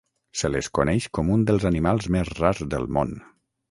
Se les coneix com un dels animals més rars del món.